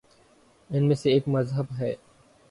ان میں سے ایک مذہب ہے۔